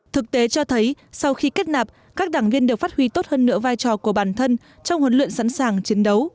thực tế cho thấy sau khi kết nạp các đảng viên đều phát huy tốt hơn nữa vai trò của bản thân trong huấn luyện sẵn sàng chiến đấu